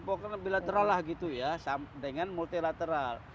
ya boleh boleh bilateral lah gitu ya dengan multilateral